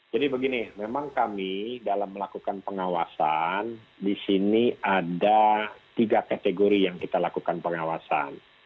jadi begini memang kami dalam melakukan pengawasan disini ada tiga kategori yang kita lakukan pengawasan